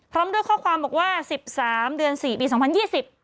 พร้อมด้วยข้อความบอกว่า๑๓เดือน๔ปี๒๐๒๐